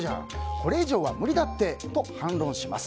これ以上は無理だってと反論します。